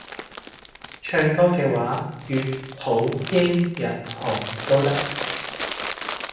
唱歌嘅話粵普英日韓都得